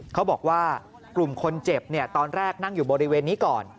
เขาบอกว่ากลุ่มคนเจ็บตอนแรกนั่งอยู่บริเวณนี้ก่อน